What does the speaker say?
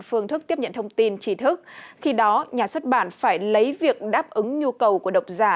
phương thức tiếp nhận thông tin trí thức khi đó nhà xuất bản phải lấy việc đáp ứng nhu cầu của độc giả